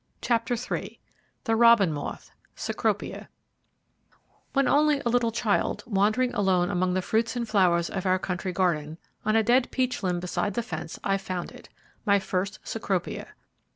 CHAPTER III The Robin Moth: Cecropia When only a little child, wandering alone among the fruits and flowers of our country garden, on a dead peach limb beside the fence I found it my first Cecropia.